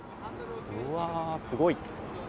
うわあ、すごい。